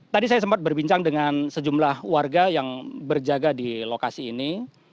tadi saya sempat berbincang dengan sejumlah warga yang berjaga di lokasi ini